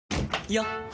よっ！